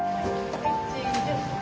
はいチーズ。